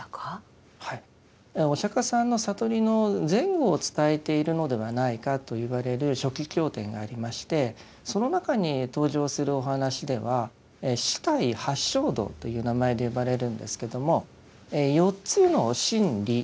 お釈迦さんの悟りの前後を伝えているのではないかといわれる初期経典がありましてその中に登場するお話では四諦八正道という名前で呼ばれるんですけども四つの真理